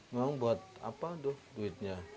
memang buat apa tuh duitnya